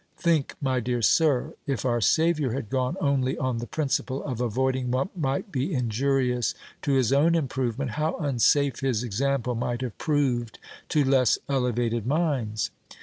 Think, my dear sir, if our Savior had gone only on the principle of avoiding what might be injurious to his own improvement, how unsafe his example might have proved to less elevated minds.